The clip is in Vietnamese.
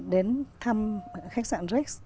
đến thăm khách sạn rex